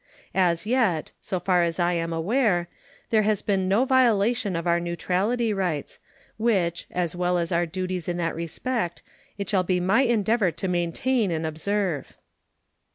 As yet, so far as I am aware, there has been no violation of our neutrality rights, which, as well as our duties in that respect, it shall be my endeavor to maintain and observe.